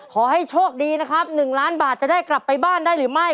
ขอให้โชคดีนะครับ๑ล้านบาทจะได้กลับไปบ้านได้หรือไม่